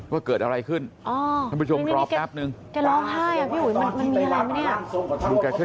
ว่าเกิดอะไรขึ้นไปชมตรอบแป๊บนึงแกล้วไห้อ่ะพี่หุยมันมีอะไรไหมเนี่ย